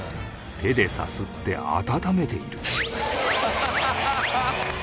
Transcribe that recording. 手でさすって温めている